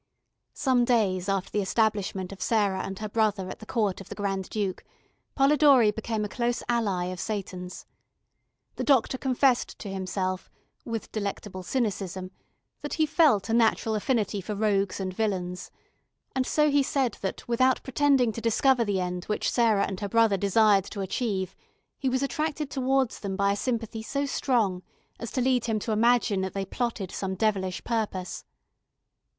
Some days after the establishment of Sarah and her brother at the court of the Grand Duke, Polidori became a close ally of Seyton's. The doctor confessed to himself, with delectable cynicism, that he felt a natural affinity for rogues and villains, and so he said that without pretending to discover the end which Sarah and her brother desired to achieve, he was attracted towards them by a sympathy so strong as to lead him to imagine that they plotted some devilish purpose.